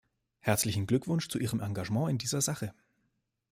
Herzlichen Glückwunsch zu Ihrem Engagement in dieser Sache.